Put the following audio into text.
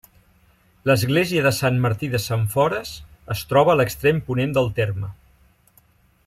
L'església de Sant Martí de Sentfores es troba a l’extrem ponent del terme.